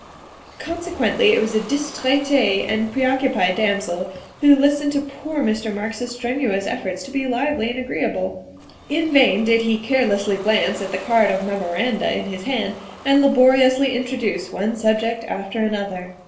'' Consequently it was a distraite and preoccupied dam sel who listened to poor Mr. Marks 's strenuous efforts to be lively and agreeable. In vain did he carelessly glance at the card of memoranda in his hand and laboriously introduce one subject after another.